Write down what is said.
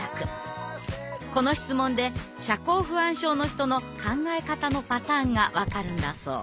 この質問で社交不安症の人の考え方のパターンが分かるんだそう。